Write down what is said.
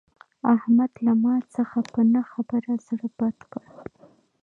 احمد له ما څخه په نه خبره زړه بد کړ.